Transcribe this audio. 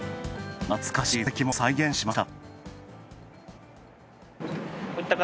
懐かしい座席も再現しました。